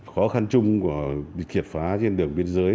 khó khăn chung của bị triệt phá trên đường biên giới